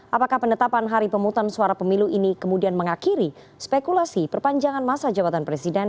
apakah penetapan hari pemutusan suara pemilu ini kemudian mengakhiri spekulasi perpanjangan masa jabatan presiden